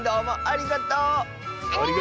ありがとう！